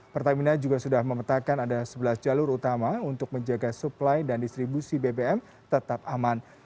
pertamina juga sudah memetakan ada sebelas jalur utama untuk menjaga suplai dan distribusi bbm tetap aman